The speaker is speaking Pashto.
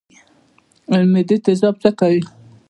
د معدې تیزاب څه کوي؟